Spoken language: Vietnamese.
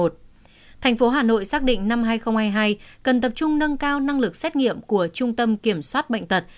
thành phố hà nội xác định năm hai nghìn hai mươi hai cần tập trung nâng cao năng lực xét nghiệm của trung tâm kiểm soát bệnh tật